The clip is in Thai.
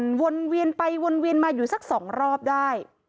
จักรยานยนต์วนเวียนไปวนเวียนมาอยู่สัก๒รอบได้